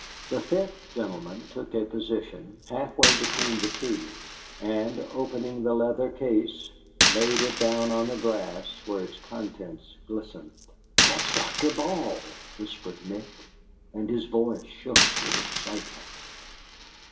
The fifth gentleman took a position halfway between the two, and, opening the leather case, laid it down on the grass, where its contents glistened. "That's Dr. Ball," whispered Nick. And his voice shook with excitement.